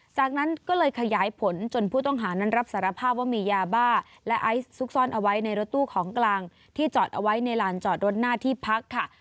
จากนั้นก็เลยขยายผลจนผู้ต้องหานั้นรับสารภาพว่ามียาบ้าและไอซ์ซุกซ่อนเอาไว้ในรถตู้ของกลางที่จอดเอาไว้ในลานจอดรถหน้าที่พักค่ะ